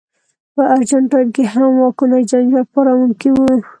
په ارجنټاین کې هم واکونه جنجال پاروونکي وو.